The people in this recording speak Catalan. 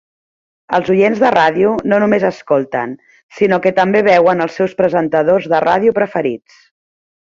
Els oients de ràdio no només escolten, sinó que també veuen els seus presentadors de ràdio preferits.